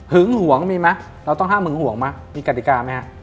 หึงห่วงมีมั้ยเราต้องห้ามหึงห่วงมั้ยมีกรรติกรรมไหมฮะ